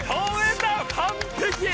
完璧！